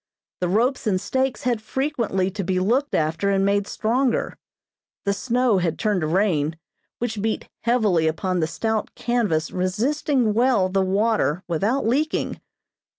The ropes and stakes had frequently to be looked after and made stronger. The snow had turned to rain, which beat heavily upon the stout canvas resisting well the water without leaking.